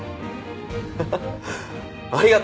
ハハハありがとう。